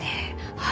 はい。